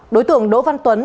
đối tượng đỗ văn tuấn